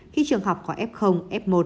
khi trường học có f f một